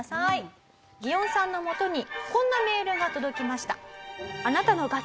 ギオンさんのもとにこんなメールが届きました。